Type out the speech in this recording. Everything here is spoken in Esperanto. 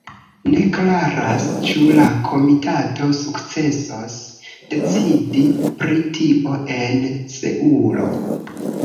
Ne klaras, ĉu la komitato sukcesos decidi pri tio en Seulo.